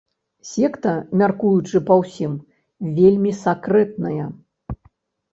Секта, мяркуючы па ўсім, вельмі сакрэтная.